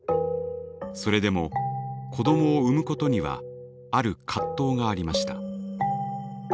それでも子どもを産むことにはある葛藤がありました。